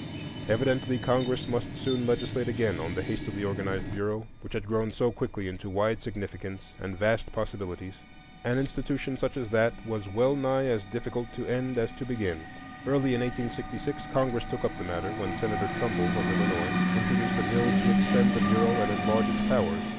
Evidently, Congress must soon legislate again on the hastily organized Bureau, which had so quickly grown into wide significance and vast possibilities. An institution such as that was well nigh as difficult to end as to begin. Early in 1866 Congress took up the matter, when Senator Trumbull, of Illinois, introduced a bill to extend the Bureau and enlarge its powers.